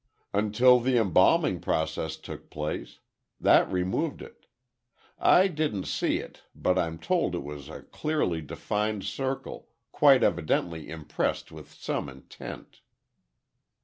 "Until the embalming process took place. That removed it. I didn't see it, but I'm told it was a clearly defined circle, quite evidently impressed with some intent."